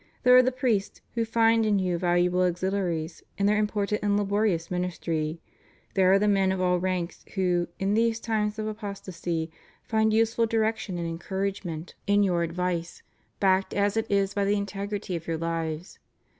There are the priests who find in you valu able auxiliaries in their important and laborious ministry. There are the men of all ranks who, in these times of apostasy, find useful direction and encouragement in ^ Acts V. 41. 508 THE RELIGIOUS CONGREGATIONS IN FRANCE. your advice, backed as it is by the integrity of your lives.